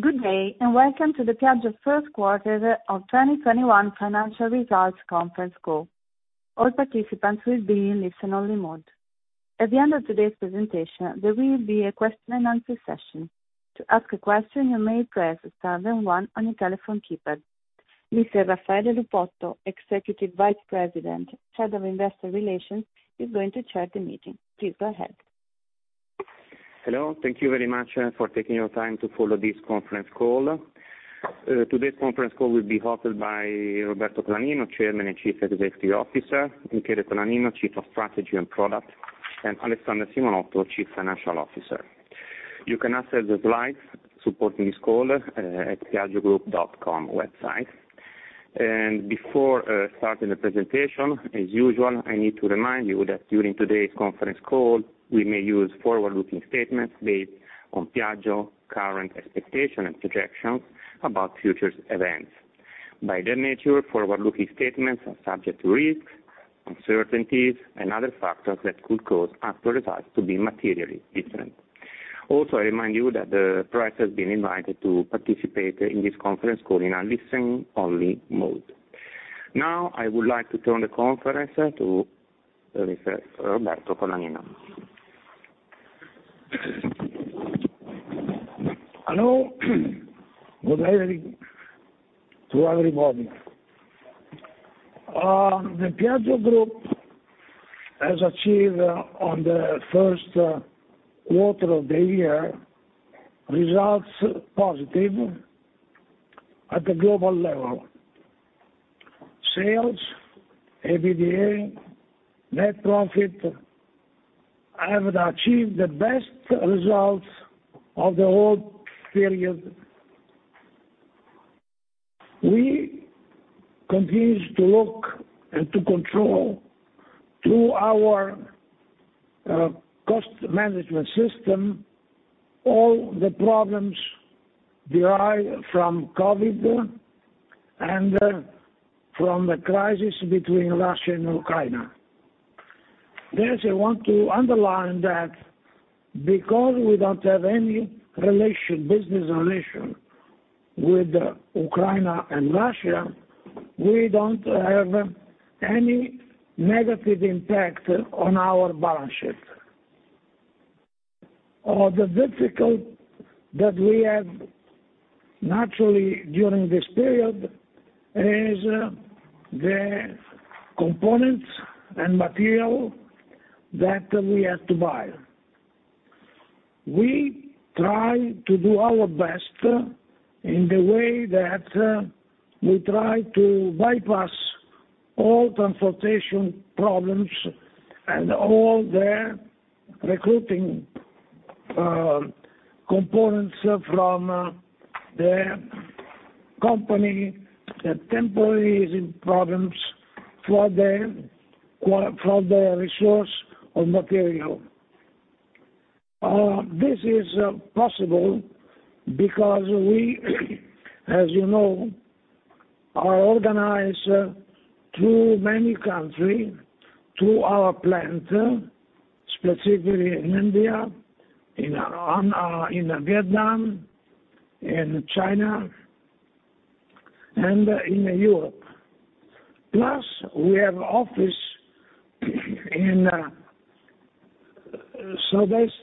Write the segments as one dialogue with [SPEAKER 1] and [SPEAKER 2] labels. [SPEAKER 1] Good day, and welcome to the Piaggio First quarter of 2021 financial results conference call. All participants will be in listen only mode. At the end of today's presentation, there will be a question and answer session. To ask a question, you may press star then one on your telephone keypad. Mr. Raffaele Lupotto, Executive Vice President, Head of Investor Relations, is going to chair the meeting. Please go ahead.
[SPEAKER 2] Hello. Thank you very much for taking your time to follow this conference call. Today's conference call will be hosted by Roberto Colaninno, Chairman and Chief Executive Officer, Michele Colaninno, Chief of Strategy and Product, and Alessandra Simonotto, Chief Financial Officer. You can access the slides supporting this call at piaggiogroup.com website. Before starting the presentation, as usual, I need to remind you that during today's conference call, we may use forward-looking statements based on Piaggio's current expectations and projections about future events. By their nature, forward-looking statements are subject to risks, uncertainties and other factors that could cause actual results to be materially different. Also, I remind you that the press has been invited to participate in this conference call in a listen-only mode. Now, I would like to turn the conference to Mr. Roberto Colaninno.
[SPEAKER 3] Hello. Good morning to everybody. The Piaggio Group has achieved on the first quarter of the year results positive at the global level. Sales, EBITDA, net profit have achieved the best results of the whole period. We continue to look and to control through our cost management system all the problems derived from COVID and from the crisis between Russia and Ukraine. First, I want to underline that because we don't have any relation, business relation with Ukraine and Russia, we don't have any negative impact on our balance sheet. The difficulty that we have naturally during this period is the components and material that we have to buy. We try to do our best in the way that we try to bypass all transportation problems and all the sourcing components from the companies that temporarily are in problems for the shortage of material. This is possible because we, as you know, are organized through many countries through our plants, specifically in India, in Vietnam, in China, and in Europe. Plus we have offices in Southeast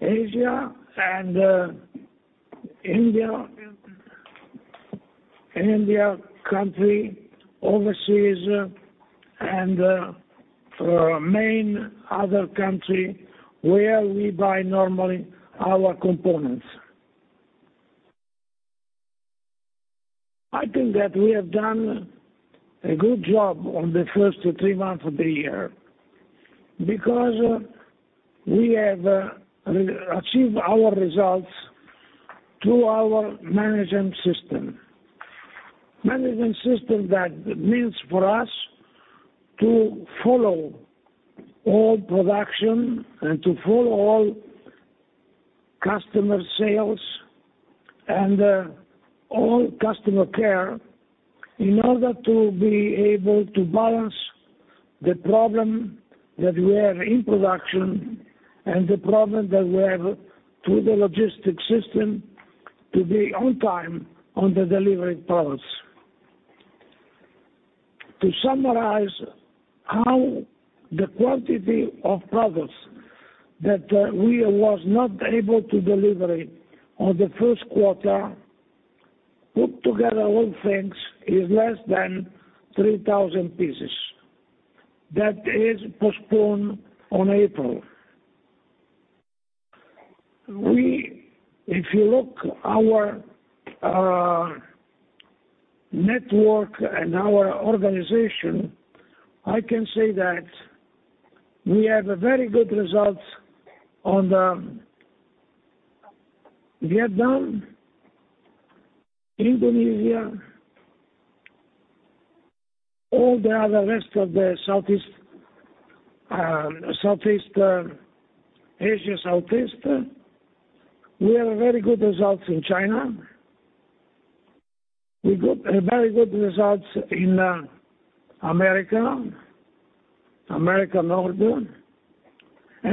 [SPEAKER 3] Asia and in India and in countries overseas and from the main other countries where we buy normally our components. I think that we have done a good job in the first three months of the year because we have achieved our results through our management system. Management system that means for us to follow all production and to follow all customer sales and all customer care in order to be able to balance the problem that we have in production and the problem that we have through the logistics system to be on time on the delivering products. To summarize how the quantity of products that we was not able to deliver it on the first quarter, put together all things is less than 3,000 pieces. That is postponed on April. If you look our network and our organization, I can say that we have very good results in Vietnam, Indonesia, all the other rest of the Southeast Asia. We have very good results in China. We got very good results in North America, and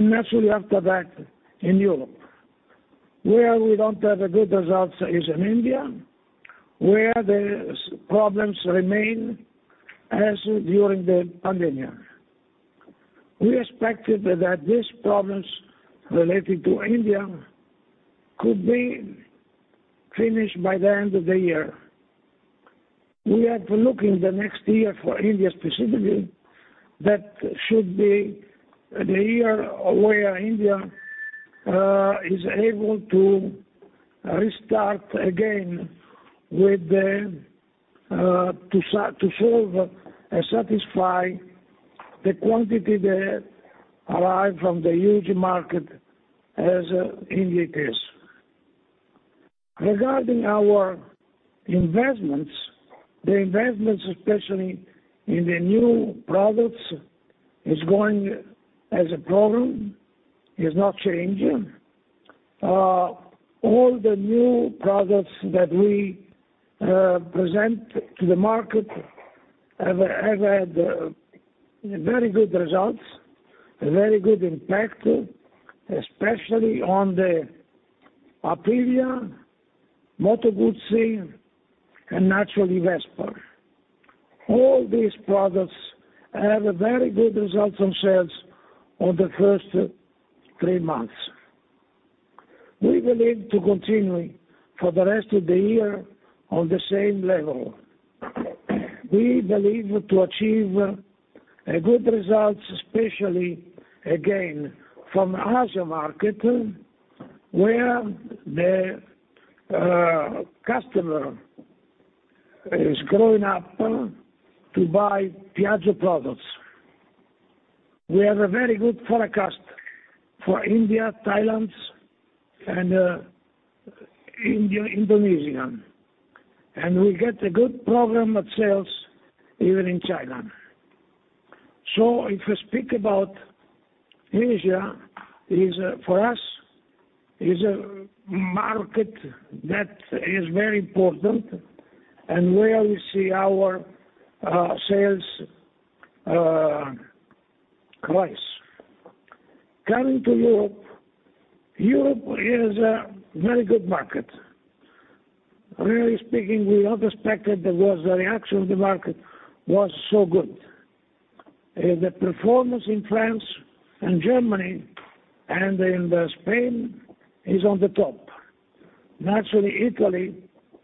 [SPEAKER 3] naturally after that, in Europe. Where we don't have the good results is in India, where the problems remain as during the pandemic. We expected that these problems related to India could be finished by the end of the year. We are looking the next year for India specifically, that should be the year where India is able to restart again with the to solve, satisfy the quantity that arrive from the huge market as India is. Regarding our investments, the investments especially in the new products is going as a program, is not changing. All the new products that we present to the market have had very good results, very good impact, especially on the Aprilia, Moto Guzzi, and naturally Vespa. All these products have a very good results on sales on the first three months. We believe to continue for the rest of the year on the same level. We believe to achieve a good results, especially again from Asia market, where the customer is growing up to buy Piaggio products. We have a very good forecast for India, Thailand, and Indonesia. We get a good program of sales even in China. If you speak about Asia, for us, is a market that is very important and where we see our sales rise. Coming to Europe is a very good market. Really speaking, we not expected that the reaction of the market was so good. The performance in France and Germany and in Spain is on the top. Naturally, Italy,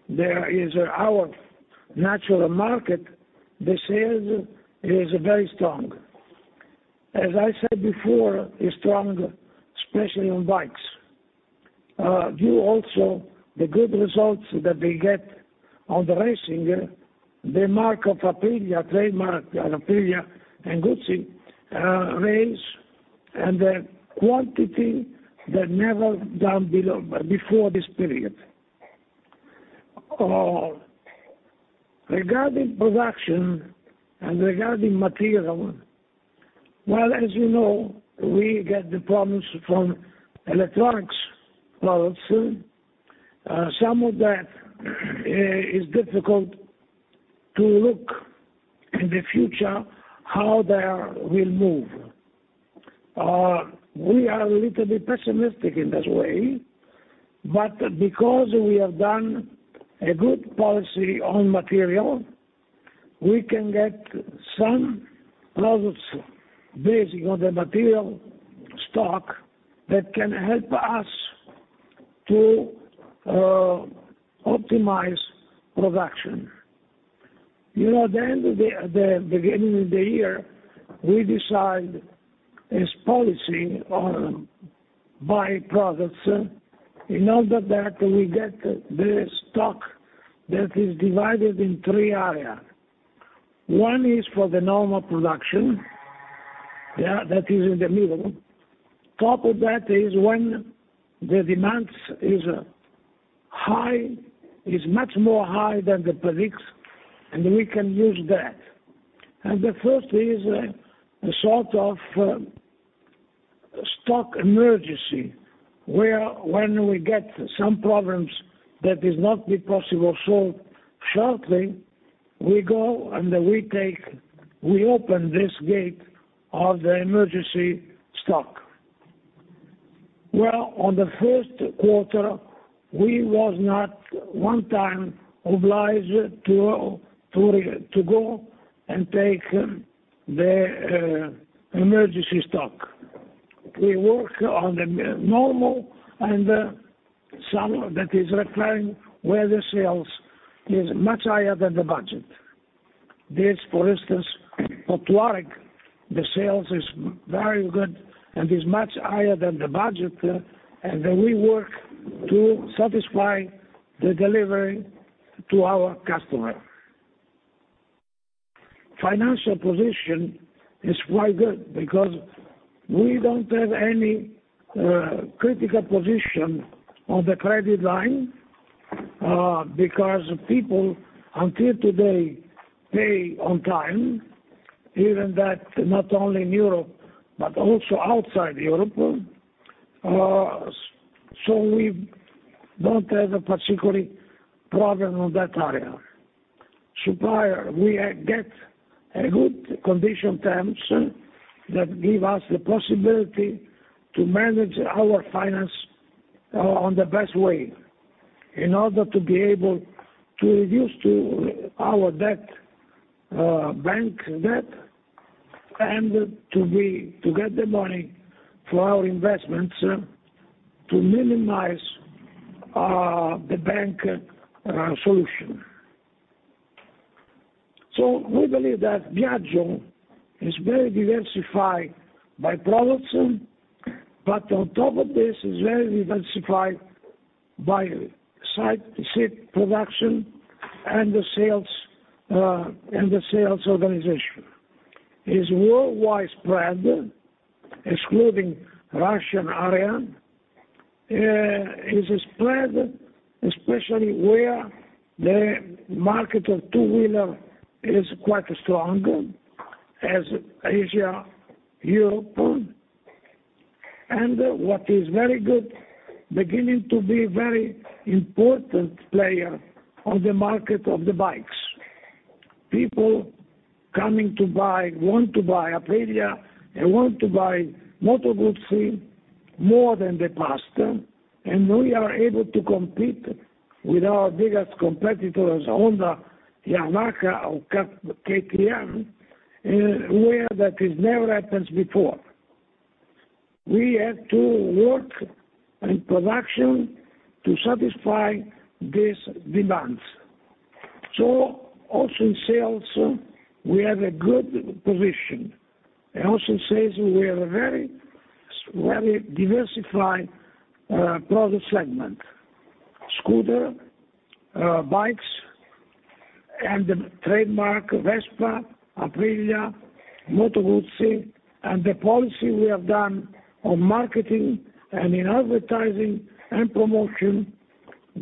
[SPEAKER 3] there is our natural market, the sales is very strong. As I said before, is strong, especially on bikes. Due also to the good results that they get on the racing, the marque of Aprilia and Moto Guzzi, race and the quality that never been below before this period. Regarding production and regarding material, as you know, we get the problems from electronics products. Some of that is difficult to look in the future how they will move. We are a little bit pessimistic in this way, but because we have done a good policy on material, we can get some products based on the material stock that can help us to optimize production. You know, at the beginning of the year, we decide this policy on by products in order that we get the stock that is divided in three areas. One is for the normal production, yeah, that is in the middle. Top of that is when the demand is high, is much more high than the predicted, and we can use that. The first is a sort of stock emergency, where when we get some problems that cannot be solved shortly, we go and we take, we open this gate of the emergency stock. Well, on the first quarter, we was not one time obliged to go and take the emergency stock. We work on the normal and some that is requiring where the sales is much higher than the budget. This, for instance, Aprilia, the sales is very good and is much higher than the budget, and we work to satisfy the delivery to our customer. Financial position is quite good because we don't have any critical position on the credit line because people until today pay on time, even that not only in Europe but also outside Europe. We don't have a particular problem on that area. Suppliers, we get a good condition terms that give us the possibility to manage our finance on the best way in order to be able to reduce our bank debt and to get the money for our investments to minimize the bank solution. We believe that Piaggio is very diversified by products, but on top of this is very diversified by sites of production and the sales and the sales organization. It's worldwide spread, excluding Russian area. It's spread especially where the market of two-wheeler is quite strong such as Asia, Europe. What is very good, beginning to be very important player on the market of the bikes. People coming to buy, want to buy Aprilia, they want to buy Moto Guzzi more than the past, and we are able to compete with our biggest competitors, Honda, Yamaha, or KTM, where that is never happens before. We had to work in production to satisfy these demands. Also in sales, we have a good position, and also in sales, we have a very, very diversified product segment. Scooter, bikes, and the trademark Vespa, Aprilia, Moto Guzzi, and the policy we have done on marketing and in advertising and promotion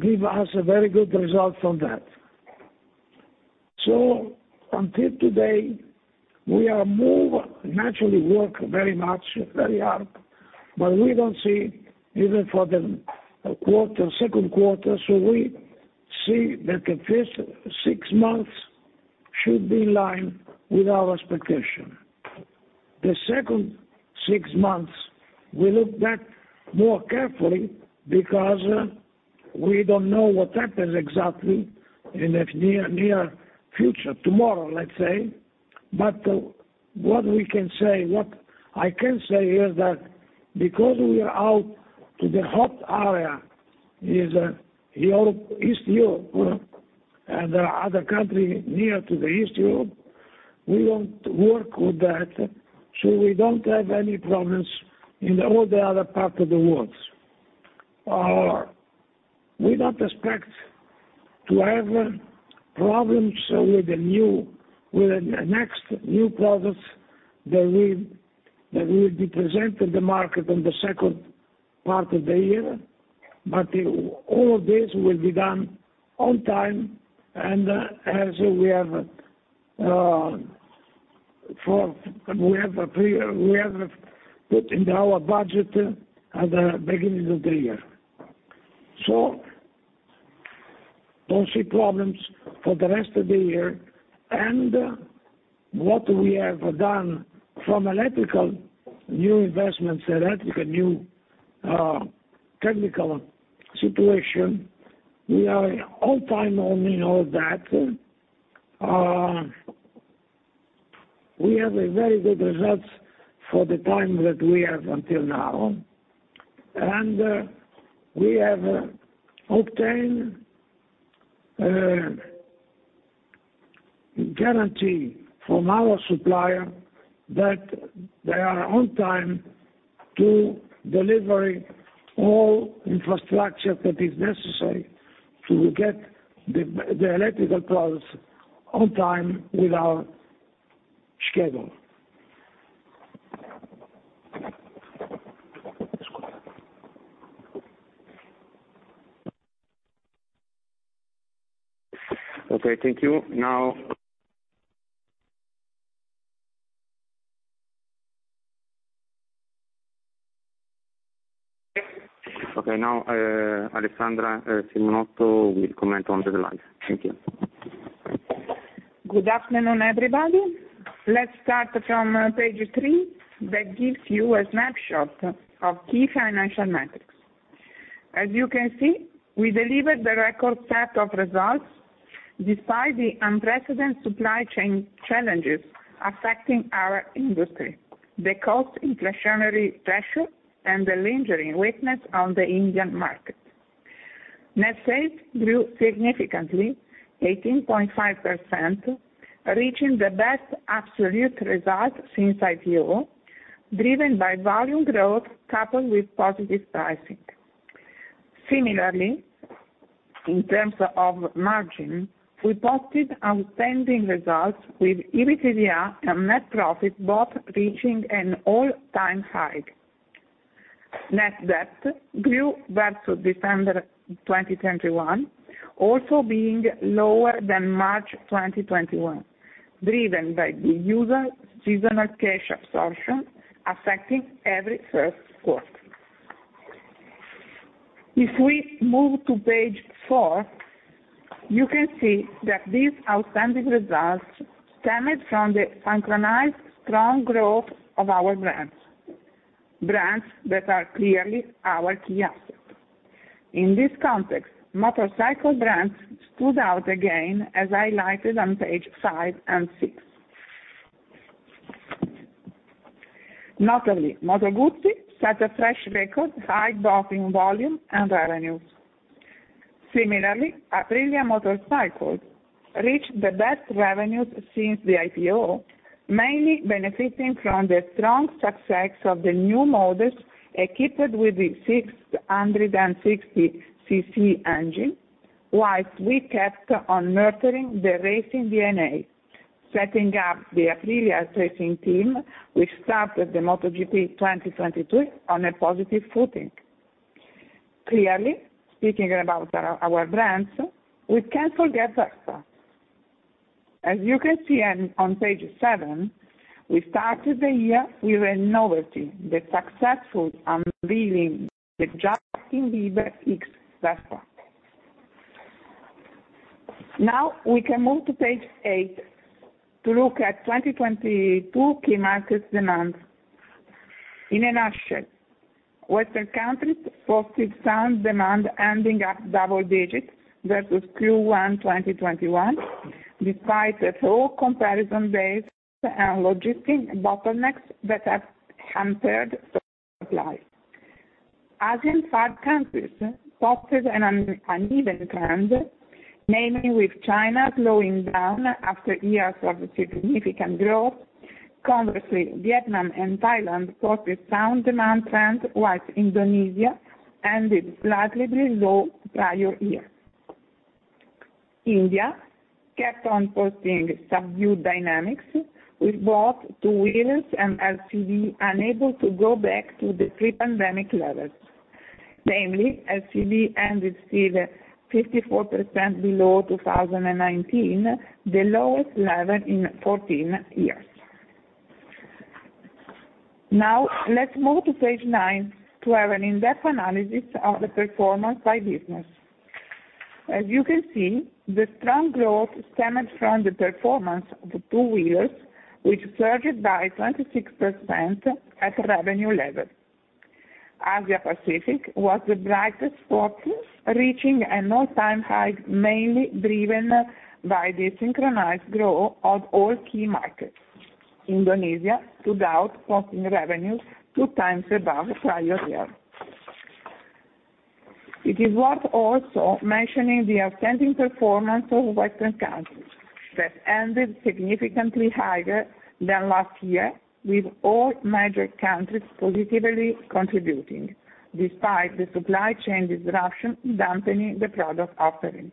[SPEAKER 3] give us a very good result from that. Until today, we are more naturally work very much, very hard, but we don't see even for the quarter, second quarter, so we see that the first six months should be in line with our expectation. The second six months, we look back more carefully because we don't know what happens exactly in the near future, tomorrow, let's say. What I can say is that because we are out of the hot area, which is Ukraine, East Europe and other country near to the East Europe, we don't work with that, so we don't have any problems in all the other parts of the world. We don't expect to have problems with the next new products that will be present in the market on the second part of the year. All this will be done on time, and as we have put into our budget at the beginning of the year. Don't see problems for the rest of the year. What we have done from electrical new investments, electrical new technical situation, we are on time in all that. We have very good results for the time that we have until now. We have obtained guarantee from our supplier that they are on time to deliver all infrastructure that is necessary to get the electrical products on time with our schedule.
[SPEAKER 2] Okay, thank you. Alessandra Simonotto will comment on the slides. Thank you.
[SPEAKER 4] Good afternoon, everybody. Let's start from page 3 that gives you a snapshot of key financial metrics. As you can see, we delivered the record set of results despite the unprecedented supply chain challenges affecting our industry, the cost inflationary pressure and the lingering weakness on the Indian market. Net sales grew significantly, 18.5%, reaching the best absolute result since IPO, driven by volume growth coupled with positive pricing. Similarly, in terms of margin, we posted outstanding results with EBITDA and net profit both reaching an all-time high. Net debt grew versus December 2021. Also being lower than March 2021, driven by the usual seasonal cash absorption affecting every first quarter. If we move to page 4, you can see that these outstanding results stemmed from the synchronized strong growth of our brands. Brands that are clearly our key asset. In this context, motorcycle brands stood out again, as highlighted on page 5 and 6. Notably, Moto Guzzi set a fresh record, high both in volume and revenues. Similarly, Aprilia Motorcycles reached the best revenues since the IPO, mainly benefiting from the strong success of the new models equipped with the 660 CC engine, while we kept on nurturing the racing DNA, setting up the Aprilia racing team, which started the MotoGP 2022 on a positive footing. Clearly, speaking about our brands, we can't forget Vespa. As you can see on page 7, we started the year with a novelty, the successful unveiling with Justin Bieber X Vespa. Now we can move to page 8 to look at 2022 key market demands. In a nutshell, Western countries posted sound demand, ending up double digits versus Q1 2021, despite the full comparison base and logistic bottlenecks that have hampered supply. Asian five countries posted an uneven trend, mainly with China slowing down after years of significant growth. Conversely, Vietnam and Thailand posted sound demand trend, while Indonesia ended slightly below prior year. India kept on posting subdued dynamics with both two-wheelers and LCV unable to go back to the pre-pandemic levels. Namely, LCV ended still 54% below 2019, the lowest level in 14 years. Now, let's move to page 9 to have an in-depth analysis of the performance by business. As you can see, the strong growth stemmed from the performance of two-wheelers, which surged by 26% at revenue level. Asia Pacific was the brightest spot, reaching an all-time high, mainly driven by the synchronized growth of all key markets. Indonesia, no doubt, posting revenues two times above prior year. It is worth also mentioning the outstanding performance of Western countries that ended significantly higher than last year, with all major countries positively contributing, despite the supply chain disruption dampening the product offering.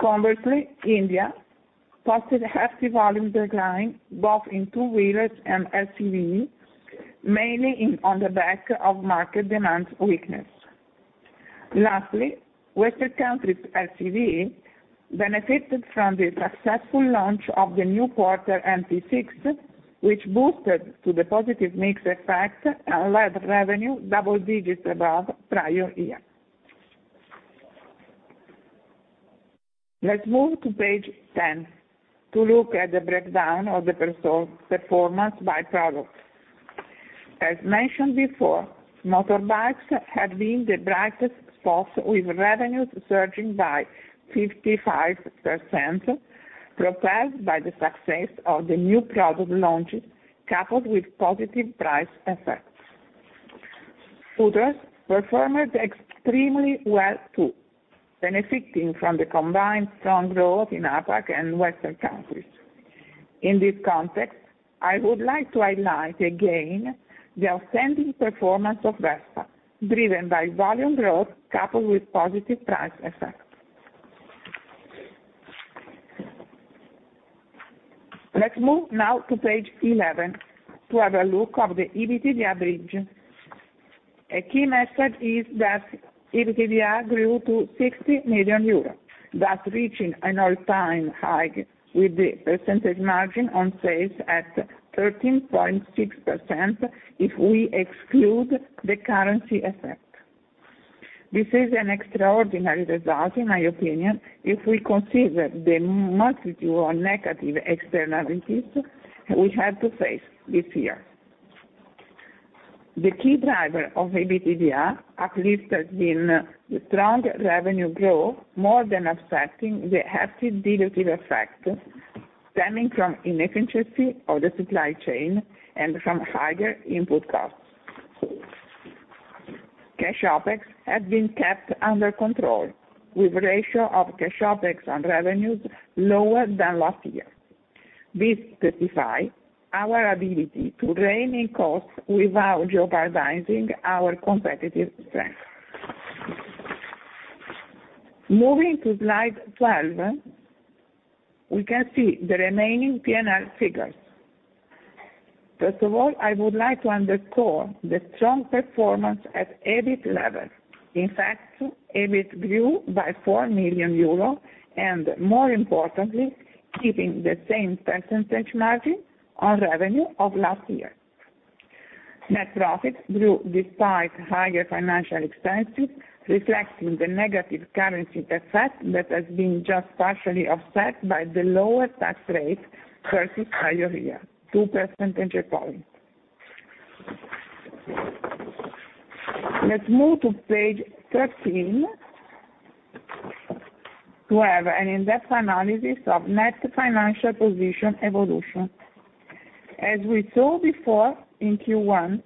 [SPEAKER 4] Conversely, India posted a hefty volume decline, both in two-wheelers and LCV, mainly on the back of market demand weakness. Lastly, Western countries LCV benefited from the successful launch of the new Porter NT6, which boosted to the positive mix effect and led revenue double digits above prior year. Let's move to page 10 to look at the breakdown of the performance by product. As mentioned before, motorbikes have been the brightest spot with revenues surging by 55%, propelled by the success of the new product launches, coupled with positive price effects. Scooters performed extremely well, too, benefiting from the combined strong growth in APAC and Western countries. In this context, I would like to highlight again the outstanding performance of Vespa, driven by volume growth coupled with positive price effect. Let's move now to page 11 to have a look at the EBITDA bridge. A key message is that EBITDA grew to 60 million euros, thus reaching an all-time high with the percentage margin on sales at 13.6% if we exclude the currency effect. This is an extraordinary result, in my opinion, if we consider the multitude of negative externalities we had to face this year. The key driver of EBITDA uplift has been the strong revenue growth, more than offsetting the hefty dilutive effect stemming from inefficiency of the supply chain and from higher input costs. Cash OpEx has been kept under control, with ratio of cash OpEx on revenues lower than last year. This testifies our ability to rein in costs without jeopardizing our competitive strength. Moving to slide 12, we can see the remaining P&L figures. First of all, I would like to underscore the strong performance at EBIT level. In fact, EBIT grew by 4 million euros and more importantly, keeping the same percentage margin on revenue of last year. Net profits grew despite higher financial expenses, reflecting the negative currency effect that has been just partially offset by the lower tax rate versus prior year, 2 percentage points. Let's move to page 13 to have an in-depth analysis of net financial position evolution. As we saw before in Q1,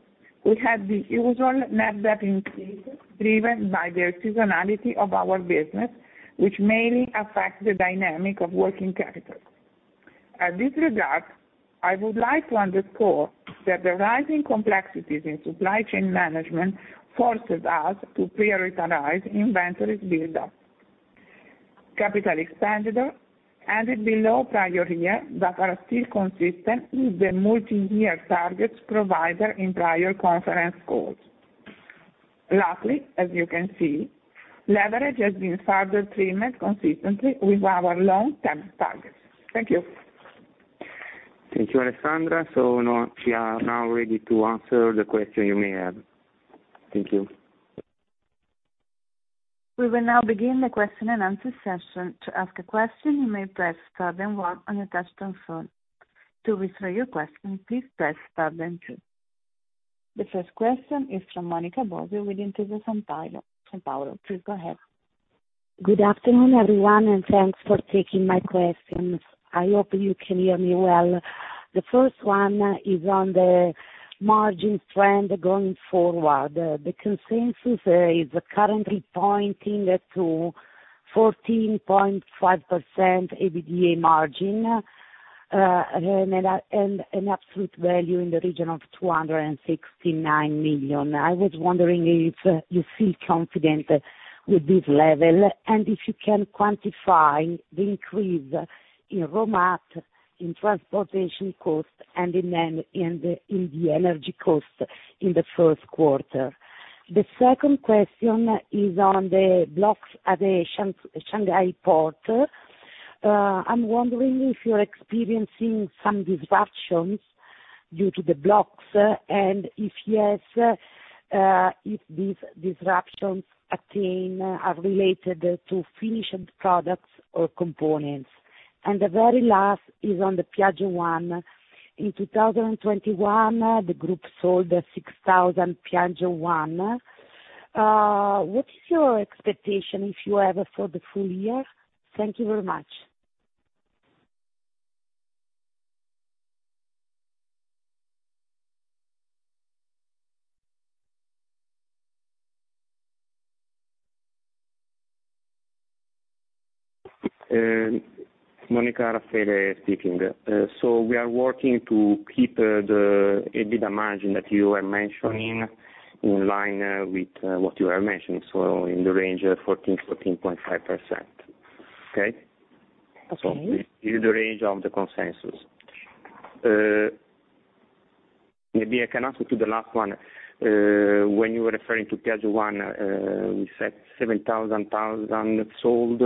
[SPEAKER 4] we had the usual net debt increase driven by the seasonality of our business, which mainly affects the dynamic of working capital. In this regard, I would like to underscore that the rising complexities in supply chain management forces us to prioritize inventory buildup. Capital expenditure ended below prior year that are still consistent with the multi-year targets provided in prior conference calls. Lastly, as you can see, leverage has been further reduced consistently with our long-term targets. Thank you.
[SPEAKER 2] Thank you, Alessandra. Now we are ready to answer the question you may have. Thank you.
[SPEAKER 1] We will now begin the question-and-answer session. To ask a question, you may press star then one on your touchtone phone. To withdraw your question, please press star then two. The first question is from Monica Bosio with Intesa Sanpaolo. Please go ahead.
[SPEAKER 5] Good afternoon, everyone, and thanks for taking my questions. I hope you can hear me well. The first one is on the margin trend going forward. The consensus is currently pointing to 14.5% EBITDA margin and an absolute value in the region of 269 million. I was wondering if you feel confident with this level, and if you can quantify the increase in raw mat, in transportation cost and in the energy cost in the first quarter. The second question is on the blocks at the Shanghai port. I'm wondering if you're experiencing some disruptions due to the blocks, and if yes, if these disruptions are related to finished products or components. The very last is on the Piaggio 1. In 2021, the group sold 6,000 Piaggio 1. What is your expectation if you have it for the full year? Thank you very much.
[SPEAKER 2] Monica, Raffaele speaking. We are working to keep the EBITDA margin that you are mentioning in line with what you are mentioning, so in the range of 14%-14.5%. Okay?
[SPEAKER 5] Okay.
[SPEAKER 2] In the range of the consensus. Maybe I can answer to the last one. When you were referring to Piaggio 1, we said 7,000 total sold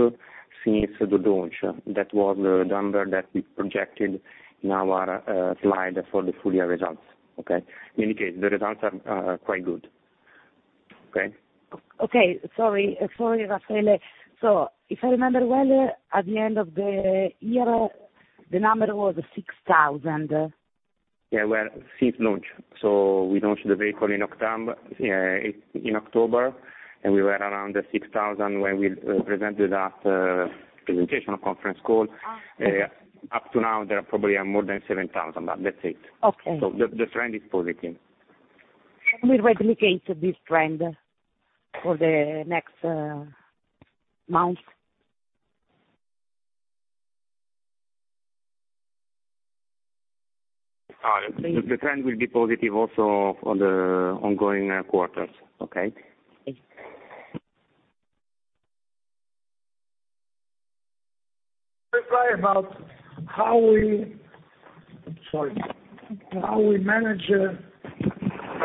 [SPEAKER 2] since the launch. That was the number that we projected in our slide for the full year results. Okay? In any case, the results are quite good. Okay?
[SPEAKER 5] Okay. Sorry, Raffaele. If I remember well, at the end of the year, the number was 6,000.
[SPEAKER 2] Well, since launch. We launched the vehicle in October, and we were around 6,000 when we presented that presentation or conference call.
[SPEAKER 5] Okay.
[SPEAKER 2] Up to now, there are probably more than 7,000, but that's it.
[SPEAKER 5] Okay.
[SPEAKER 2] The trend is positive.
[SPEAKER 5] Can we replicate this trend for the next months?
[SPEAKER 2] The trend will be positive also for the ongoing quarters. Okay?
[SPEAKER 5] Thank you.
[SPEAKER 3] How we manage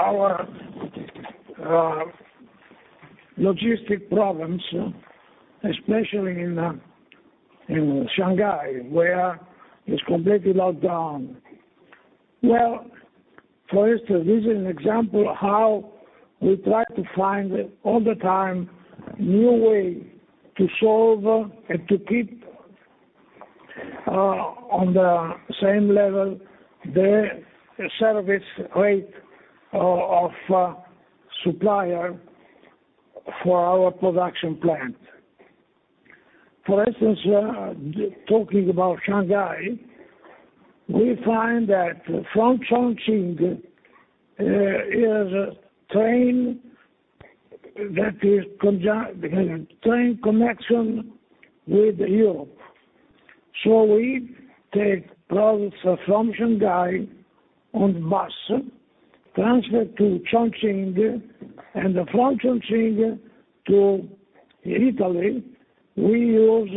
[SPEAKER 3] our logistic problems, especially in Shanghai, where it's completely locked down. Well, for instance, this is an example of how we try to find all the time new way to solve and to keep on the same level the service rate of supplier for our production plant. For instance, talking about Shanghai, we find that from Chongqing is a train connection with Europe. We take products from Shanghai on bus transfer to Chongqing and from Chongqing to Italy, we use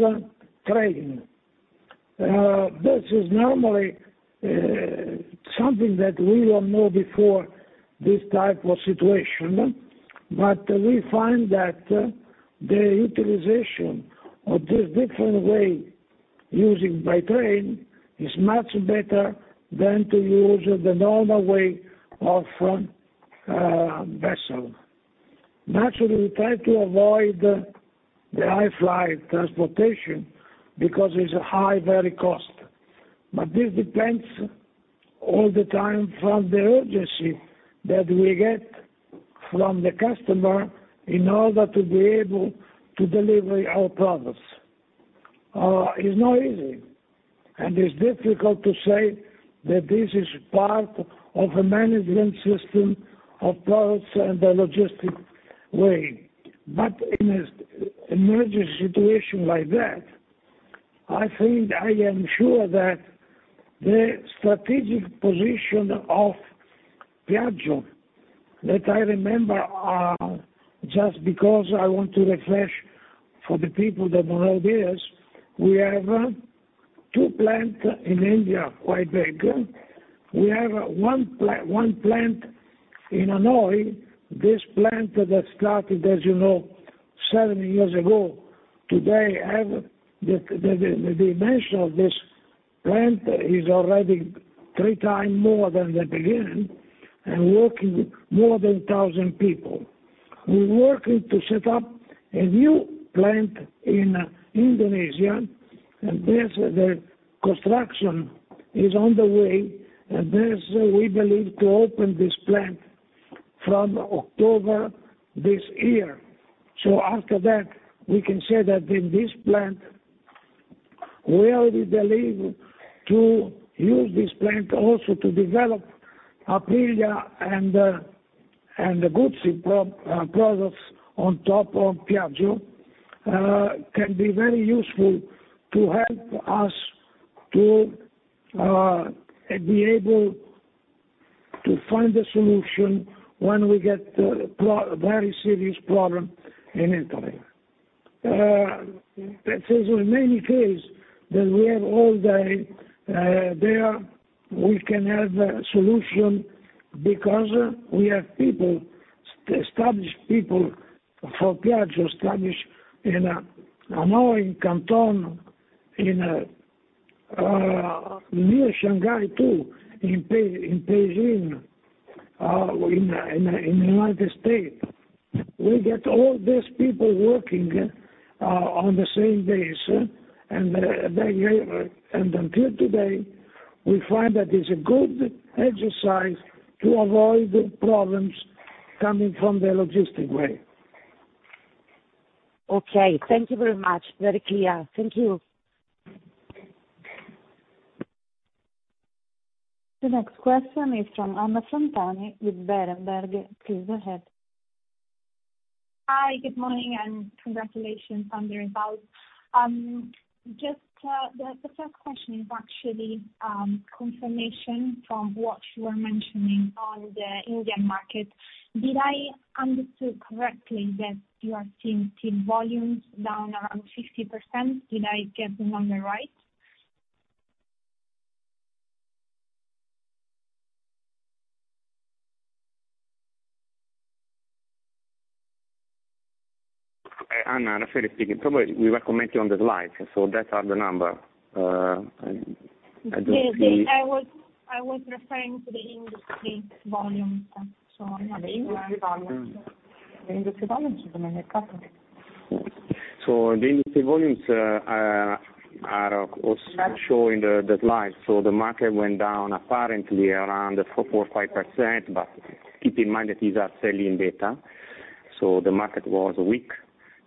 [SPEAKER 3] train. This is normally something that we don't know before this type of situation. We find that the utilization of this different way, using by train, is much better than to use the normal way of vessel. Naturally, we try to avoid the airfreight transportation because it's a very high cost. This depends all the time on the urgency that we get from the customer in order to be able to deliver our products. It's not easy, and it's difficult to say that this is part of a management system of products and the logistics. In an emergency situation like that, I think I am sure that the strategic position of Piaggio that I remember, just because I want to refresh for the people that know this, we have two plants in India, quite big. We have one plant in Hanoi. This plant that started, as you know, seven years ago, today has the dimension of this plant is already three times more than the beginning and working more than 1,000 people. We're working to set up a new plant in Indonesia, the construction is on the way. We believe to open this plant from October this year. After that, we can say that in this plant, we already believe to use this plant also to develop Aprilia and the Moto Guzzi products on top of Piaggio, can be very serious problem in Italy. This is in many cases that we have altogether there, we can have a solution because we have people, established people for Piaggio, established in Hanoi, in Canton, near Shanghai too, in Beijing, in United States. We get all these people working on the same base, and they, and until today, we find that it's a good exercise to avoid problems coming from the logistic way.
[SPEAKER 5] Okay. Thank you very much. Very clear. Thank you.
[SPEAKER 1] The next question is from Anna Santoni with Berenberg. Please go ahead.
[SPEAKER 6] Hi, good morning, and congratulations on the results. Just the first question is actually confirmation from what you are mentioning on the Indian market. Did I understood correctly that you are seeing two-wheeler volumes down around 50%? Did I get the number right?
[SPEAKER 2] Anna, Raffaele speaking. Probably we were commenting on the slides, so those are the numbers, I don't see.
[SPEAKER 7] Yeah, I was referring to the industry volumes. Yeah, the industry volumes.
[SPEAKER 2] The industry volumes are also shown in the slides. The market went down apparently around 4.5%, but keep in mind that these are selling data. The market was weak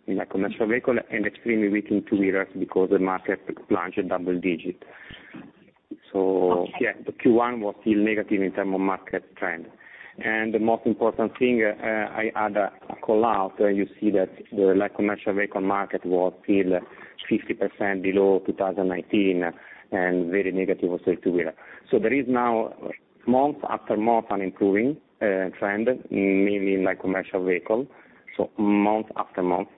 [SPEAKER 2] in the commercial vehicle and extremely weak in two-wheelers because the market plunged double-digit. Yeah, the Q1 was still negative in terms of market trend. The most important thing, I add a call-out, you see that the light commercial vehicle market was still 50% below 2019 and very negative also two-wheeler. There is now month after month an improving trend, mainly in light commercial vehicle, month after month.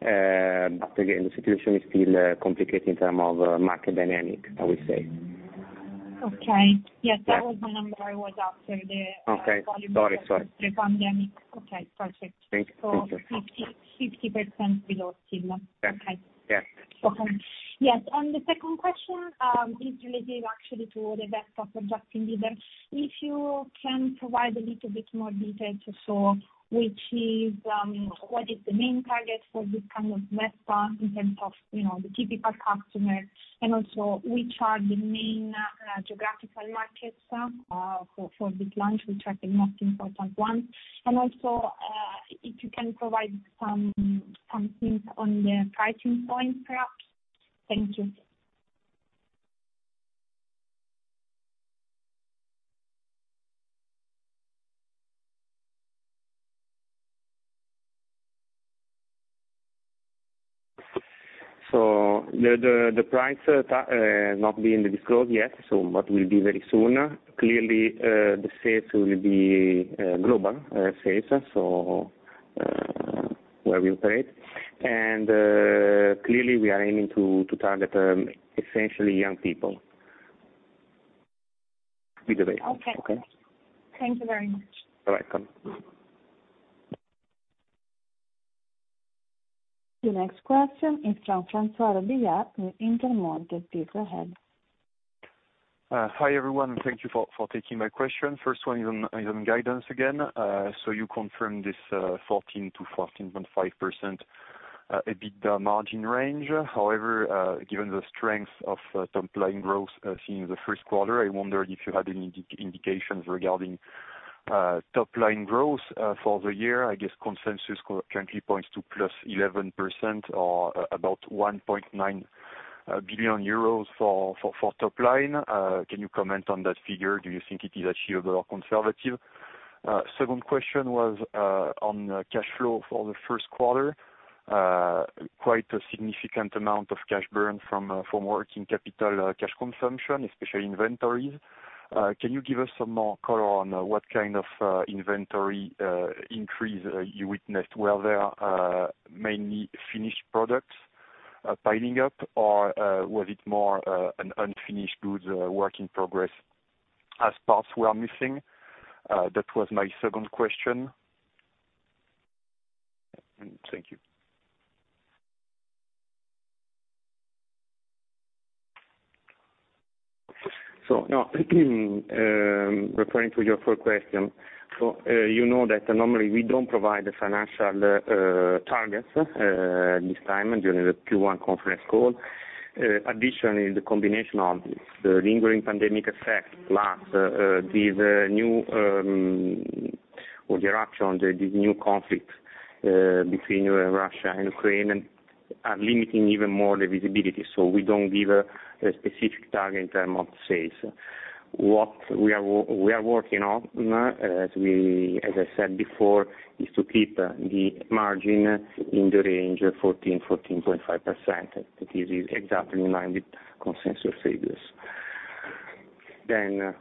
[SPEAKER 2] But again, the situation is still complicated in terms of market dynamics, I would say.
[SPEAKER 7] Okay. Yes.
[SPEAKER 2] Yeah.
[SPEAKER 6] That was the number I was after.
[SPEAKER 2] Okay.
[SPEAKER 6] -volume-
[SPEAKER 2] Sorry.
[SPEAKER 6] Post the pandemic. Okay, perfect.
[SPEAKER 2] Thanks. Thank you.
[SPEAKER 6] 50% below still.
[SPEAKER 2] Yeah.
[SPEAKER 6] Okay.
[SPEAKER 2] Yeah.
[SPEAKER 6] Okay. Yes. The second question is related actually to the Vespa project leader. If you can provide a little bit more details. What is the main target for this kind of Vespa in terms of, you know, the typical customer? And also, which are the main geographical markets for this launch? Which are the most important ones? And also, if you can provide some hint on the price point, perhaps. Thank you.
[SPEAKER 2] The price has not been disclosed yet, but will be very soon. Clearly, the sales will be global sales, so where we operate, and clearly we are aiming to target essentially young people with the Vespa.
[SPEAKER 6] Okay.
[SPEAKER 2] Okay?
[SPEAKER 6] Thank you very much.
[SPEAKER 2] You're welcome.
[SPEAKER 1] The next question is from François Robillard with Intermonte. Please go ahead.
[SPEAKER 8] Hi, everyone. Thank you for taking my question. First one is on guidance again. So you confirm this 14%-14.5% EBITDA margin range. However, given the strength of top-line growth seen in the first quarter, I wondered if you had any indications regarding top-line growth for the year. I guess consensus currently points to +11% or about 1.9 billion euros for top line. Can you comment on that figure? Do you think it is achievable or conservative? Second question was on cash flow for the first quarter. Quite a significant amount of cash burn from working capital, cash consumption, especially inventories. Can you give us some more color on what kind of inventory increase you witnessed? Were there mainly finished products piling up, or was it more an unfinished goods work in progress as parts were missing? That was my second question. Thank you.
[SPEAKER 2] Now referring to your first question, you know that normally we don't provide the financial targets this time during the Q1 conference call. Additionally, the combination of the lingering pandemic effect plus these new or the eruption of this new conflict between Russia and Ukraine are limiting even more the visibility. We don't give a specific target in terms of sales. What we are working on, as I said before, is to keep the margin in the range of 14%-14.5%. This is exactly in line with consensus figures. There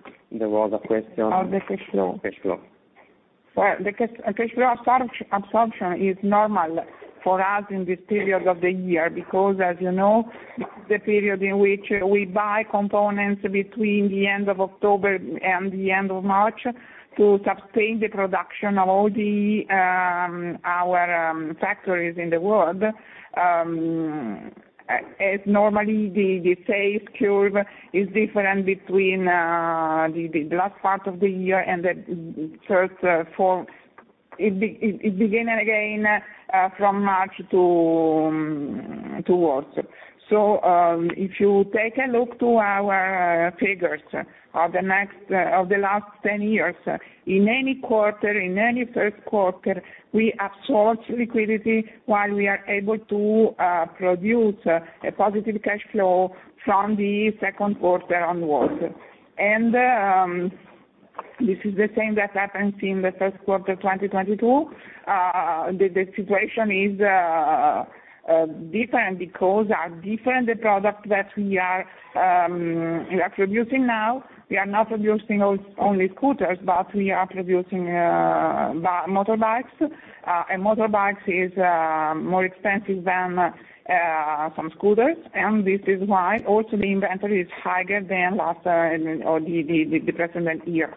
[SPEAKER 2] was a question.
[SPEAKER 4] Of the cash flow.
[SPEAKER 2] Cash flow.
[SPEAKER 4] Well, the cash flow absorption is normal for us in this period of the year because as you know, the period in which we buy components between the end of October and the end of March to sustain the production of all our factories in the world. As normally, the sales curve is different between the last part of the year and the first four. It begins again from March to August. If you take a look to our figures of the last 10 years, in any first quarter, we absorb liquidity while we are able to produce a positive cash flow from the second quarter onwards. This is the same that happens in the first quarter 2022. The situation is different because are different the product that we are producing now. We are not producing only scooters, but we are producing motorbikes, and motorbikes is more expensive than some scooters. This is why also the inventory is higher than last or the precedent years.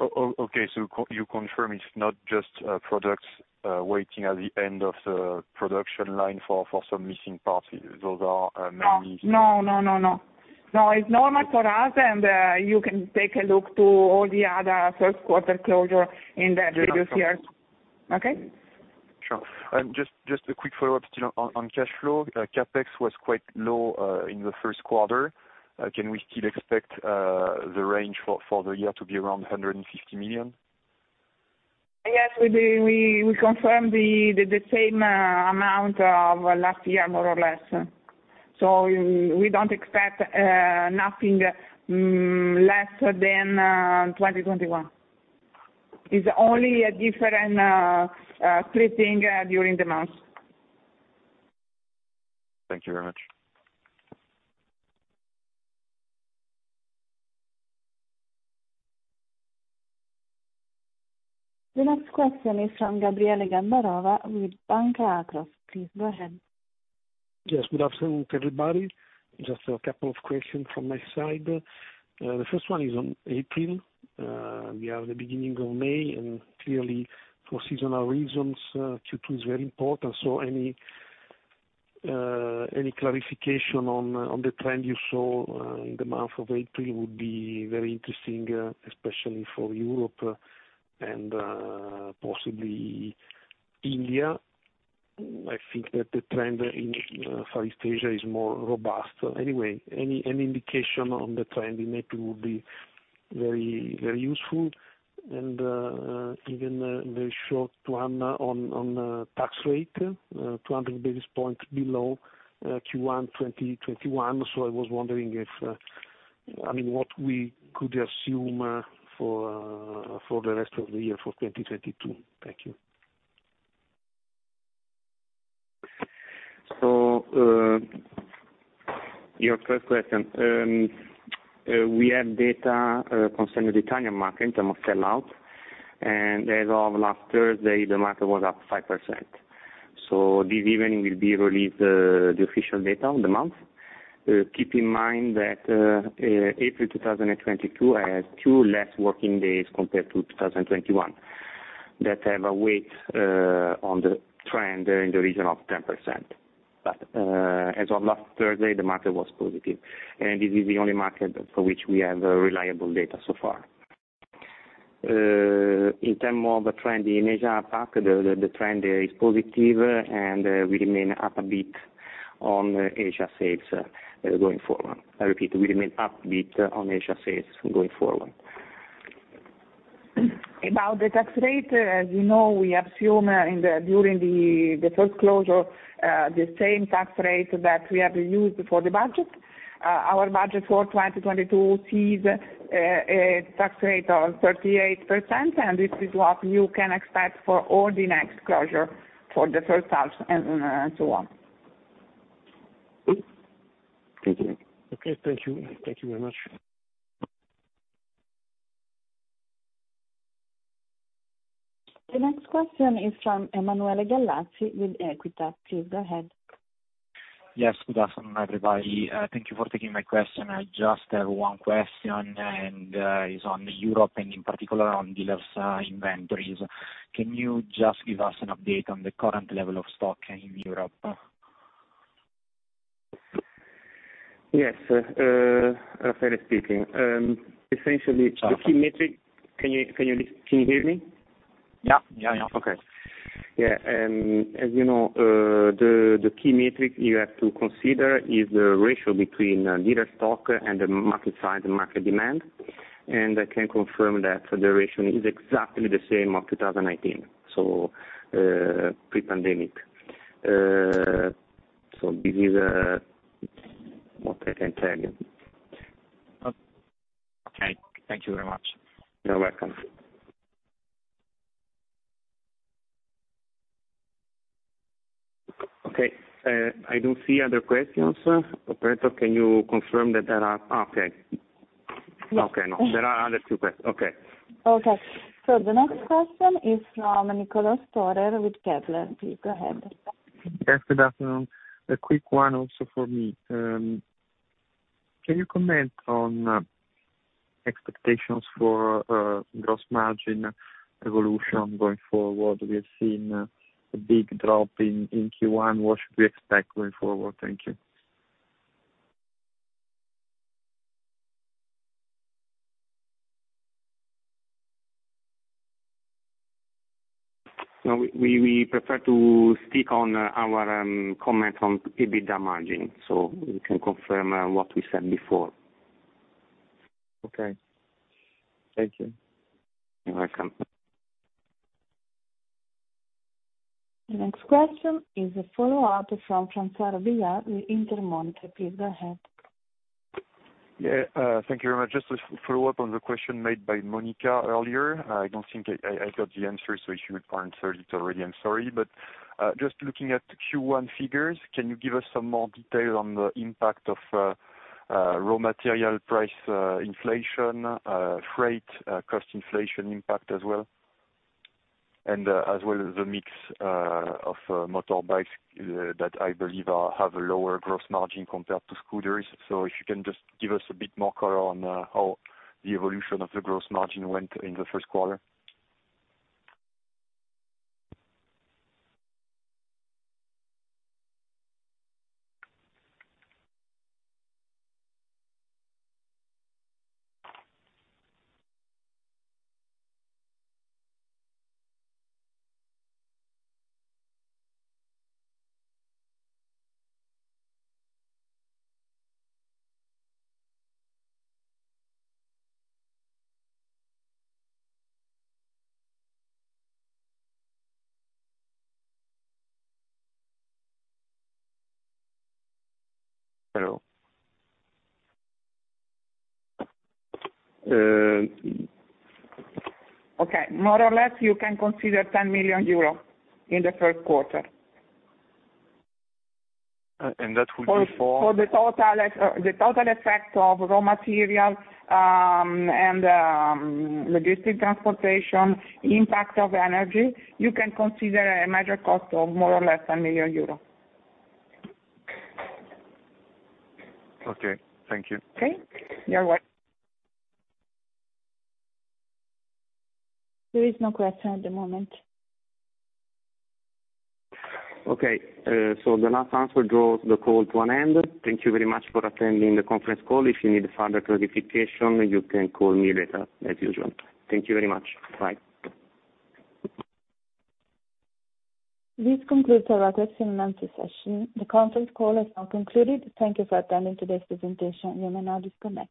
[SPEAKER 8] Okay, you confirm it's not just products waiting at the end of the production line for some missing parts. Those are mainly-
[SPEAKER 4] No, it's normal for us, and you can take a look to all the other first quarter closure in the previous years.
[SPEAKER 8] Yeah, that's true.
[SPEAKER 4] Okay?
[SPEAKER 8] Sure. Just a quick follow-up still on cash flow. CapEx was quite low in the first quarter. Can we still expect the range for the year to be around 150 million?
[SPEAKER 4] Yes, we do. We confirm the same amount of last year more or less. We don't expect nothing less than 2021. It's only a different splitting during the months.
[SPEAKER 8] Thank you very much.
[SPEAKER 1] The next question is from Gabriele Gambarova with Banca Akros. Please go ahead.
[SPEAKER 9] Yes, good afternoon, everybody. Just a couple of questions from my side. The first one is on April. We are the beginning of May, and clearly for seasonal reasons, Q2 is very important. So any clarification on the trend you saw in the month of April would be very interesting, especially for Europe and possibly India. I think that the trend in Far East Asia is more robust. Anyway, any indication on the trend in April would be very useful. Even a very short one on tax rate, 200 basis points below Q1 2021. So I was wondering if- I mean, what we could assume for the rest of the year, for 2022. Thank you.
[SPEAKER 2] Your first question. We have data concerning the Italian market in terms of sell-out. As of last Thursday, the market was up 5%. This evening will be released the official data of the month. Keep in mind that April 2022 has two less working days compared to 2021. That have a weight on the trend in the region of 10%. As of last Thursday, the market was positive. This is the only market for which we have reliable data so far. In terms of the trend in Asia Pac, the trend is positive, and we remain up a bit on Asia sales going forward. I repeat. We remain upbeat on Asia sales going forward.
[SPEAKER 4] About the tax rate, as you know, we assume during the first closure the same tax rate that we have used for the budget. Our budget for 2022 sees a tax rate of 38%, and this is what you can expect for all the next closure for the first half and so on.
[SPEAKER 9] Okay, thank you. Thank you very much.
[SPEAKER 1] The next question is from Emanuele Gallazzi with Equita. Please, go ahead.
[SPEAKER 10] Yes. Good afternoon, everybody. Thank you for taking my question. I just have one question, and is on Europe and in particular on dealers, inventories. Can you just give us an update on the current level of stock in Europe?
[SPEAKER 2] Yes. Raffaele speaking. Can you hear me?
[SPEAKER 10] Yeah. Yeah, yeah.
[SPEAKER 2] Okay. Yeah. As you know, the key metric you have to consider is the ratio between dealer stock and the market size and market demand. I can confirm that the ratio is exactly the same as 2019, pre-pandemic. This is what I can tell you.
[SPEAKER 10] Okay. Thank you very much.
[SPEAKER 2] You're welcome. Okay, I don't see other questions. Operator, can you confirm that there are? Okay. Okay, no. There are other two questions. Okay.
[SPEAKER 1] Okay. The next question is from Niccolò Guido Storer with Kepler Cheuvreux. Please go ahead.
[SPEAKER 11] Yes, good afternoon. A quick one also for me. Can you comment on expectations for gross margin evolution going forward? We have seen a big drop in Q1. What should we expect going forward? Thank you.
[SPEAKER 2] No, we prefer to stick to our comment on EBITDA margin. We can confirm what we said before.
[SPEAKER 11] Okay. Thank you.
[SPEAKER 2] You're welcome.
[SPEAKER 1] The next question is a follow-up from Monica Bosio with Intesa SanPaolo. Please go ahead.
[SPEAKER 5] Yeah. Thank you very much. Just a follow-up on the question made by Monica earlier. I don't think I got the answer, so if you answered it already, I'm sorry. Just looking at the Q1 figures, can you give us some more detail on the impact of raw material price inflation, freight cost inflation impact as well? As well as the mix of motorbikes that I believe have a lower gross margin compared to scooters. If you can just give us a bit more color on how the evolution of the gross margin went in the first quarter.
[SPEAKER 2] Hello?
[SPEAKER 4] Okay. More or less, you can consider 10 million euros in the first quarter.
[SPEAKER 8] That will be for-
[SPEAKER 4] For the total effect of raw material and logistics transportation, impact of energy, you can consider a major cost of more or less 10 million euros.
[SPEAKER 8] Okay, thank you.
[SPEAKER 4] Okay.
[SPEAKER 1] There is no question at the moment.
[SPEAKER 2] Okay, the last answer draws the call to an end. Thank you very much for attending the conference call. If you need further clarification, you can call me later as usual. Thank you very much. Bye.
[SPEAKER 1] This concludes the Piaggio financial session. The conference call has now concluded. Thank you for attending today's presentation. You may now disconnect.